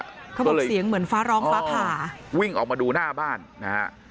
เขาบอกเสียงเหมือนฟ้าร้องฟ้าผ่าวิ่งออกมาดูหน้าบ้านนะฮะ